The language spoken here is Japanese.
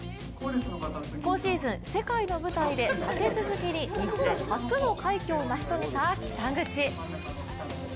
今シーズン世界の舞台で立て続けに日本初の快挙を成し遂げた北口。